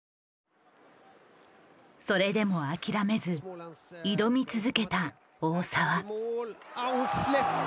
それでも諦めず挑み続けた大澤。